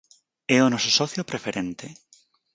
É o noso socio preferente.